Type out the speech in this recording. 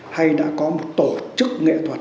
hay đã có một tổ chức nghệ thuật